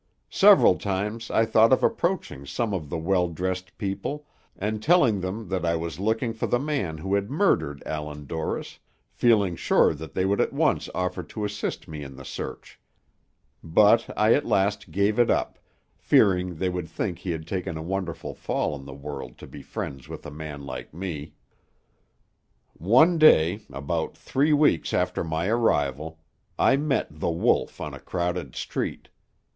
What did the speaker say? Several times I thought of approaching some of the well dressed people, and telling them that I was looking for the man who had murdered Allan Dorris, feeling sure that they would at once offer to assist me in the search; but I at last gave it up, fearing they would think he had taken a wonderful fall in the world to be friends with a man like me. "One day, about three weeks after my arrival, I met The Wolf on a crowded street.